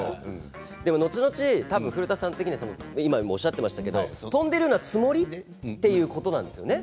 でものちのち古田さん的には今もおっしゃってましたけど飛んでいるようなつもりということなんですよね。